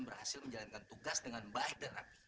semua ini lo yang ajak sepenarik